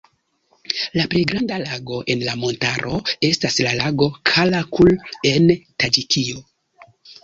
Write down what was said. La plej granda lago en la montaro estas la lago Kara-Kul en Taĝikio.